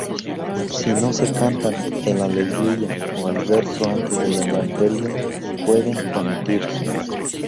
Si no se cantan, el Aleluya o el verso antes del Evangelio pueden omitirse.